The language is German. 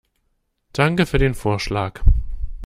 Danke für den Vorschlag.